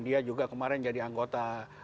dia juga kemarin jadi anggota